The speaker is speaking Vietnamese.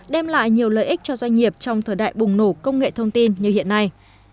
đem lại nhiều lợi ích cho doanh nghiệp trong thời đại bùng nổ công nghệ thông tin như hiện nay